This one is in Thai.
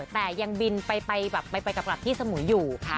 แต่ยังบินไปกลับที่สมุยอยู่